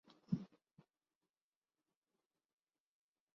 German open tennis Nicolas Jarry اور Leonardo Mayer semi final میں پہنچ گئے